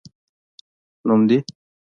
نوم دي؟